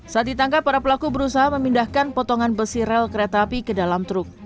saat ditangkap para pelaku berusaha memindahkan potongan besi rel kereta api ke dalam truk